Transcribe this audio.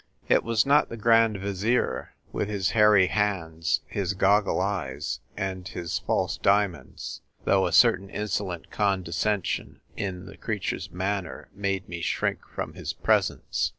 It was not the Grand Vizier, with his hairy hands, his goggle eyes, and his false diamonds; though a certain insolent condescension in the creature's manner made me shrink from his presence.